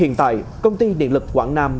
hiện tại công ty điện lực quảng nam